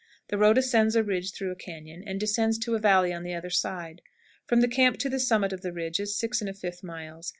The road ascends a ridge through a cañon, and descends to a valley on the other side. From the camp to the summit of the ridge is 6 1/5 miles.